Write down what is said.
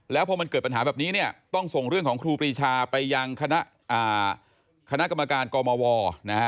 แล้วพอมันเกิดปัญหาแบบนี้เนี่ยต้องส่งเรื่องของครูปรีชาไปยังคณะคณะกรรมการกมวนะฮะ